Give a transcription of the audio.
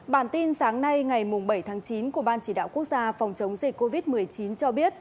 bản tin sáng nay ngày bảy tháng chín của ban chỉ đạo quốc gia phòng chống dịch covid một mươi chín cho biết